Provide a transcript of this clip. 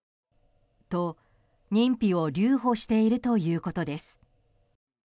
と、認否を留保しているということです。